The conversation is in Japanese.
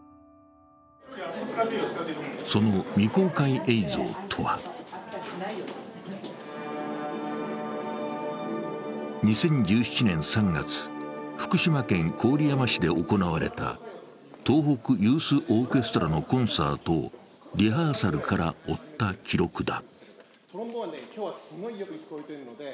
その未公開映像とは２０１７年３月、福島県郡山市で行われた東北ユースオーケストラのコンサートをリハーサルから追った記録だ。